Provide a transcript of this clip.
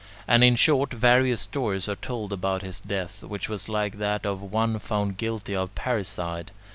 And in short, various stories are told about his death, which was like that of one found guilty of parricide.